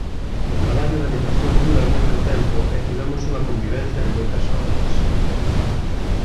O traballo de animación dura moito tempo e tivemos unha convivencia de moitas horas.